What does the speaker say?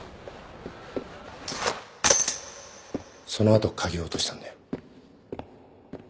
その後鍵を落としたんだよ。